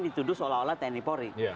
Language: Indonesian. dituduh seolah olah tni polri